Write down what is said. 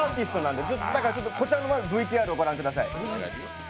まず、こちらのＶＴＲをご覧ください。